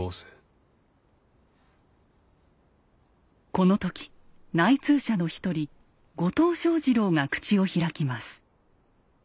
この時内通者の１人後藤象二郎が口を開きます。